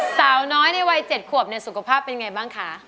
สาวน้อยในวัย๗ขวบสุขภาพเป็นไงบ้างคะ